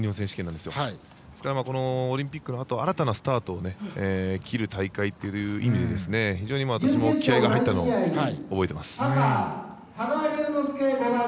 ですから、オリンピックのあと新たなスタートを切る大会という意味で私も気合いが入っていたのを覚えています。